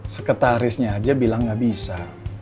sekretarisnya aja bilang nggak bisa